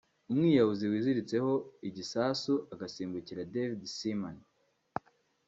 umwiyahuzi wiziritseho igisasu agasimbukira David Seaman